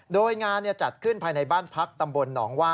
โดยงานจัดขึ้นภายในบ้านพักตำบลหนองว่า